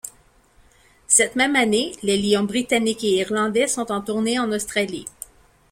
Cette même année, les Lions britanniques et irlandais sont en tournée en Australie.